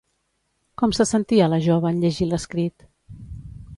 Com se sentia la jove en llegir l'escrit?